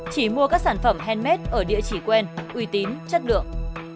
chỉ mua các sản phẩm handmade ở địa chỉ quen uy tín chất lượng